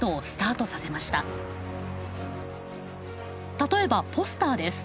例えばポスターです。